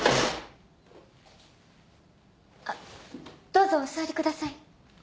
どうぞお座りください。